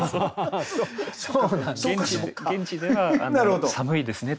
そうなんですね。